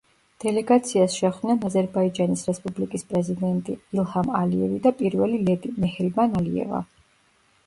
დელეგაციას შეხვდნენ აზერბაიჯანის რესპუბლიკის პრეზიდენტი ილჰამ ალიევი და პირველი ლედი, მეჰრიბან ალიევა.